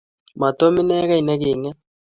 mo Tom inekei neking'et